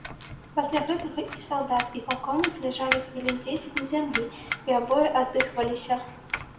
Пасля гэтага і салдат, і палкоўнік ляжалі хвілін дзесяць на зямлі і абое аддыхваліся.